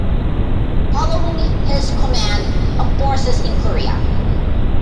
Following his Command of forces in Korea.